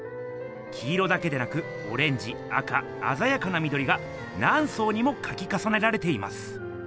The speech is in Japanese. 黄色だけでなくオレンジ赤あざやかなみどりがなんそうにもかきかさねられています。